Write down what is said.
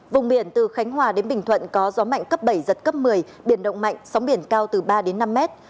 vùng biển từ khánh hòa đến bình thuận có gió mạnh cấp bảy giật cấp một mươi biển động mạnh sóng biển cao từ ba đến năm mét